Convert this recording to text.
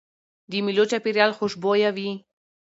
د مېلو چاپېریال خوشبويه وي.